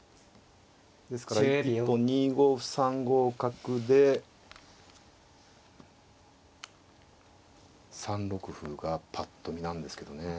ですから一本２五歩３五角で３六歩がぱっと見なんですけどね。